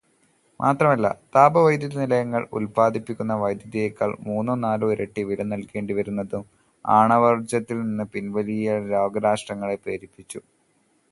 മാത്രമല്ല, താപവൈദ്യുത നിലയങ്ങൾ ഉൽപ്പാദിപ്പിക്കുന്ന വൈദ്യുതിയേക്കാൾ മുന്നോ നാലോ ഇരട്ടി വില നൽകേണ്ടിവരുന്നുവെന്നതും ആണവോർജത്തിൽനിന്ന് പിൻവലിയാൻ ലോകരാഷ്ട്രങ്ങളെ പ്രേരിപ്പിച്ചു.